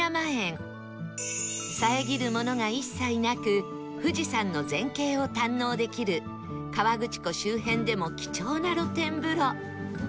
遮るものが一切なく富士山の全景を堪能できる河口湖周辺でも貴重な露天風呂